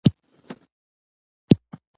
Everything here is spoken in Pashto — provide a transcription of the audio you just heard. منډه د زړورتیا تمرین دی